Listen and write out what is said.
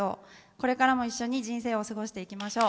これからも一緒に人生を過ごしていきましょう。